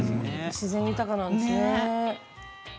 自然豊かなんですね。